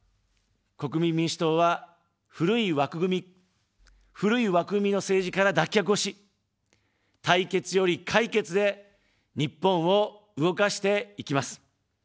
国民民主党は、古い枠組み、古い枠組みの政治から脱却をし、対決より解決で日本を動かしていきます。